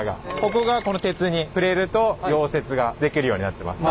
ここが鉄に触れると溶接ができるようになってます。